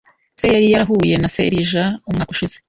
Se yari yarahuye na serija umwaka ushize.